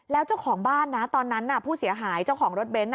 แล้วเจ้าของบ้านนะตอนนั้นผู้เสียหายเจ้าของรถเบนท์